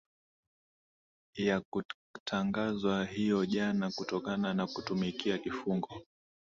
na kutangazwa hiyo jana kutokana na kutumikia kifungo